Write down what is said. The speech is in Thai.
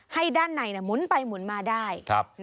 ให้ด้านในหมุนไปหมุนมาได้